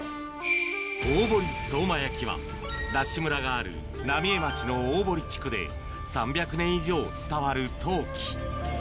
大堀相馬焼は、ＤＡＳＨ村がある浪江町の大堀地区で、３００年以上伝わる陶器。